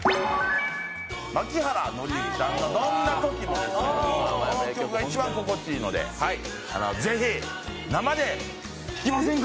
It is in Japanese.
槇原敬之さんの「どんなときも」ですけれども、この曲が一番心地いいので是非、生で聴きませんか？